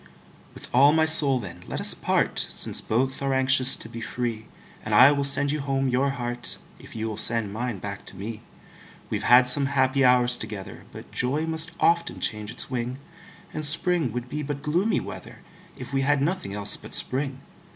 With all my soul, then, let us part, Since both are anxious to be free; And I will sand you home your heart, If you will send mine back to me. We've had some happy hours together, But joy must often change its wing; And spring would be but gloomy weather, If we had nothing else but spring.